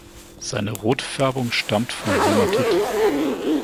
Seine Rotfärbung stammt von Hämatit.